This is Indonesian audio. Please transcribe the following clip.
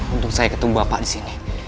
untung saya ketemu bapak disini